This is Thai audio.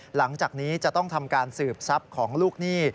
หลังจากนี้จะต้องทำการสืบทรัพย์ของลูกหนี้